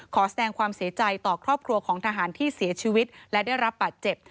ขอแสดงความเสียใจต่อครอบครัวของทหารที่เสียชีวิตและได้รับบาดเจ็บ